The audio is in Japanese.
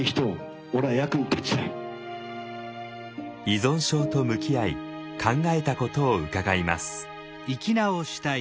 依存症と向き合い考えたことを伺います。